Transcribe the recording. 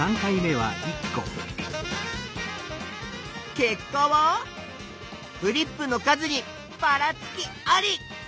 結果はクリップの数にばらつき「アリ」！